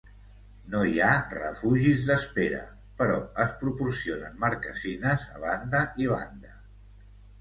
No hi ha refugis d'espera, però es proporcionen marquesines a banda i banda.